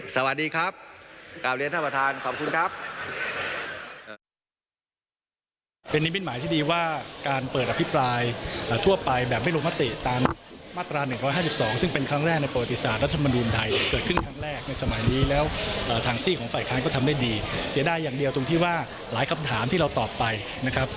สวัสดีครับกราบเรียนท่านประธานขอบคุณครับ